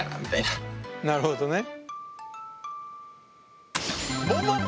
なるほどね。